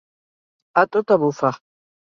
A tota bufa.